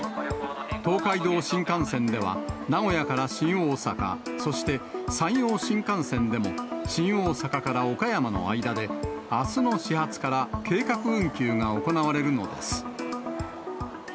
東海道新幹線では名古屋から新大阪、そして山陽新幹線でも、新大阪から岡山の間で、あすの始発から計画運休が行われるのです。